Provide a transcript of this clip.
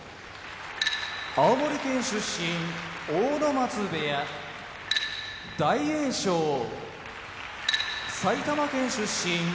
青森県出身阿武松部屋大栄翔埼玉県出身追手風部屋